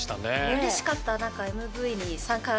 うれしかった。